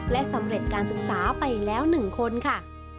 และสำเร็จการศึกษาไปแล้ว๑คนค่ะ